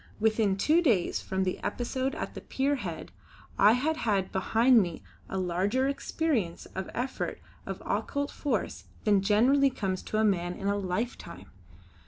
Within two days from the episode at the Pier head I had had behind me a larger experience of effort of occult force than generally comes to a man in a lifetime.